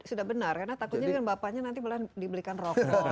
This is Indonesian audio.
sudah benar karena takutnya dengan bapaknya nanti malah dibelikan rokok